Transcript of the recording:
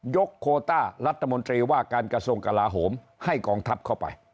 โคต้ารัฐมนตรีว่าการกระทรวงกลาโหมให้กองทัพเข้าไป